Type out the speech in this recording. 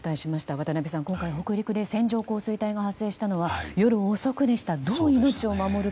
渡辺さん、今回、北陸で線状降水帯が発生したのは夜遅くでした。